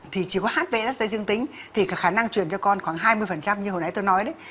thì chỉ có hb sag dương tính thì khả năng chuyển cho con khoảng hai mươi như hồi nãy tôi nói